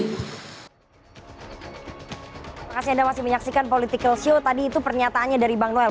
terima kasih anda masih menyaksikan political show tadi itu pernyataannya dari bang noel